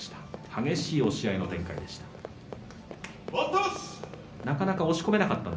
激しい押し合いの展開になりました。